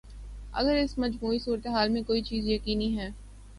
اگر اس مجموعی صورت حال میں کوئی چیز یقینی ہے۔